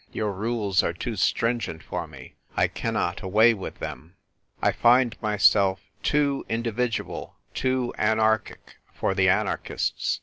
Your rules are too stringent for me. I cannot away with them. I find myself tco individual, too anarchic for the anarchists